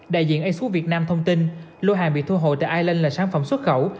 đại diện asicut việt nam thông tin lô hàng bị thu hồi tại island là sản phẩm xuất khẩu